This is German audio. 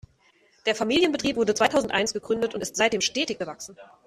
Der Familienbetrieb wurde zweitausendeins gegründet und ist seitdem stetig gewachsen.